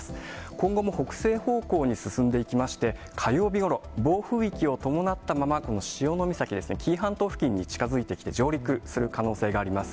今後も北西方向に進んでいきまして、火曜日ごろ、暴風域を伴ったまま、この潮岬ですね、紀伊半島に近づいてきて、上陸する可能性があります。